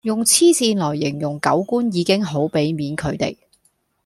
用痴線來形容狗官已經好比面佢地